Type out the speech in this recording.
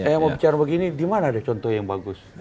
saya mau bicara begini di mana ada contoh yang bagus